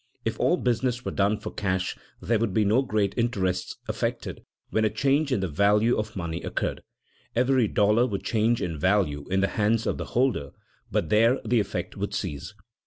If all business were done for cash there would be no great interests affected when a change in the value of money occurred. Every dollar would change in value in the hands of the holder, but there the effect would cease.